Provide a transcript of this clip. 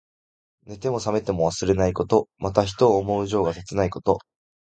寝ても冷めても忘れないこと。また、人を思う情が切ないこと。